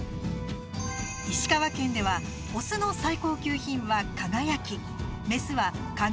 石川県ではオスの最高級品は「輝」